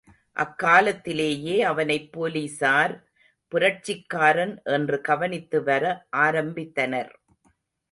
அக்காலத்திலேயே அவனைப் போலிஸார் புரட்சிக்காரன் என்று கவனித்து வர ஆரம்பித்தனர்.